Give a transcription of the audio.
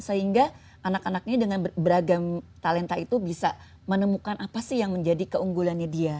sehingga anak anak ini dengan beragam talenta itu bisa menemukan apa sih yang menjadi keunggulannya dia